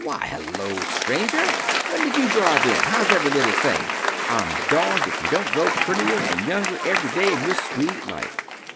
"Why, hello, stranger! When did you drive in? How's every little thing? I'm darned if you don't grow prettier and younger every day of your sweet life."